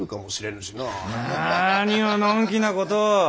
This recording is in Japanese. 何をのんきなことを！